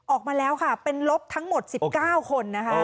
ออกมาแล้วค่ะเป็นลบทั้งหมด๑๙คนนะคะ